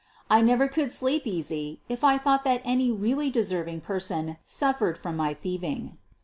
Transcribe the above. I never could sleep easy if I thought that any really deserving person suffered from my thieving.